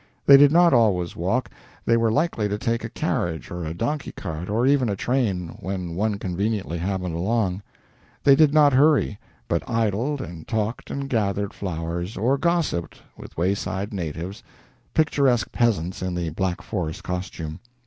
They did not always walk. They were likely to take a carriage or a donkey cart, or even a train, when one conveniently happened along. They did not hurry, but idled and talked and gathered flowers, or gossiped with wayside natives picturesque peasants in the Black Forest costume.